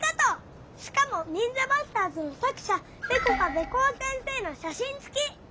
しかも「ニンジャバスターズ」のさくしゃぺこぱぺこお先生のしゃしんつき！